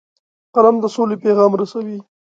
قلم د سولې پیغام رسوي